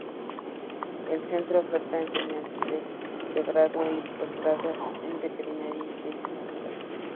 El centro oferta enseñanzas de pregrado y posgrado en veterinaria y ciencias naturales.